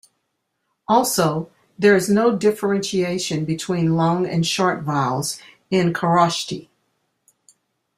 Also, there is no differentiation between long and short vowels in Kharosthi.